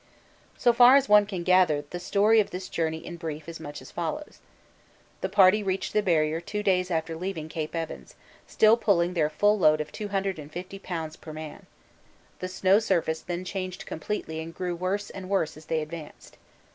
So far as one can gather, the story of this journey in brief is much as follows: The party reached the Barrier two days after leaving C. Evans, still pulling their full load of 250 lbs. per man; the snow surface then changed completely and grew worse and worse as they advanced.